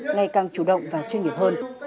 ngay càng chủ động và chuyên nghiệp hơn